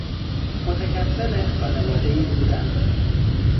متکفل خانواده ای بودن